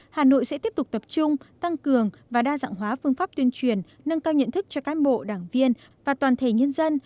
hà nội sẽ tiếp tục tập trung tăng cường và đa dạng hóa phương pháp tuyên truyền nâng cao nhận thức cho cán bộ đảng viên và toàn thể nhân dân